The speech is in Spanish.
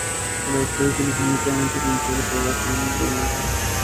El autor utilizó únicamente pintura para la sangre de la imagen.